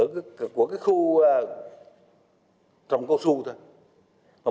của cái khu trong câu xu thôi